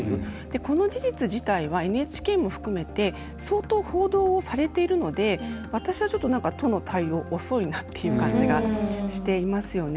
この事実自体はＮＨＫも含めて相当、報道をされているので私は都の対応が遅いなという感じがしていますね。